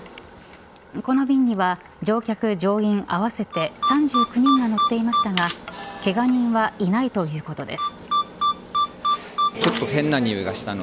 この便には乗客、乗員合わせて３９人が乗っていましたがけが人はいないということです。